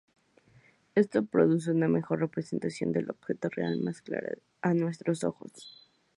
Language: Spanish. Esto produce una mejor representación del objeto real, más clara a nuestros ojos.